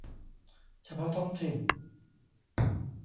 เฉพาะท้องถิ่น